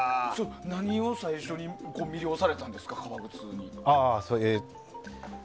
何に最初魅了されたんですか、革靴に。